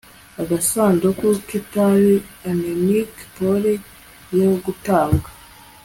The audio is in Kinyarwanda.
agasanduku k'itabi, anemic pale yo gutabwa